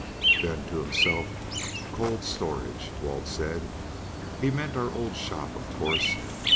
Then to himself: "'Cold storage,' Walt said; he meant our old shop, of course.